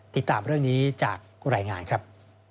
ติดตามเรื่องนี้จากรายงานครับ